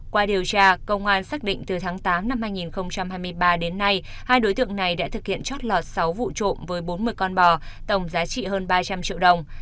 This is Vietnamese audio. qua điều tra công an xác định từ tháng tám năm hai nghìn hai mươi ba đến nay hai đối tượng này đã thực hiện chót lọt sáu vụ trộm với bốn mươi con bò tổng giá trị hơn ba trăm linh triệu đồng